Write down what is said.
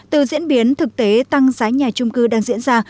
từ diễn biến thực tế tăng giá nhà trung cư đang diễn ra